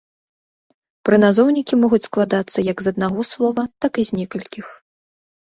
Прыназоўнікі могуць складацца як з аднаго слова, так і з некалькіх.